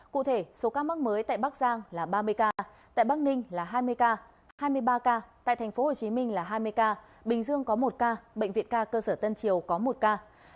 cụ thể số ca mắc mới tại bắc giang là ba mươi ca tại bắc ninh là hai mươi ca hai mươi ba ca tại tp hcm là hai mươi ca bình dương có một ca bệnh viện ca cơ sở tân triều có một ca